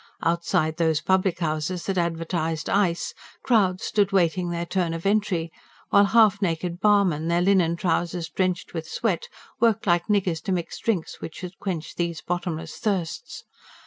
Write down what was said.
Outside those public houses that advertised ice, crowds stood waiting their turn of entry; while half naked barmen, their linen trousers drenched with sweat, worked like niggers to mix drinks which should quench these bottomless thirsts.